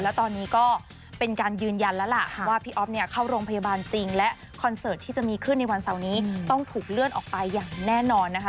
แล้วตอนนี้ก็เป็นการยืนยันแล้วล่ะว่าพี่อ๊อฟเนี่ยเข้าโรงพยาบาลจริงและคอนเสิร์ตที่จะมีขึ้นในวันเสาร์นี้ต้องถูกเลื่อนออกไปอย่างแน่นอนนะคะ